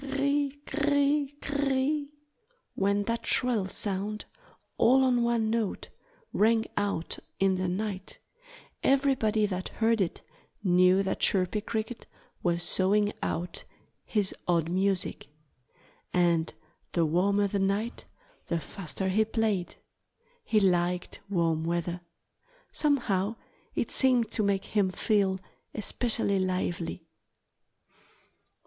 Cr r r i! cr r r i! cr r r i! When that shrill sound, all on one note, rang out in the night everybody that heard it knew that Chirpy Cricket was sawing out his odd music. And the warmer the night the faster he played. He liked warm weather. Somehow it seemed to make him feel especially lively.